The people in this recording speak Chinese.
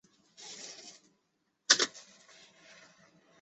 张军作了总结强调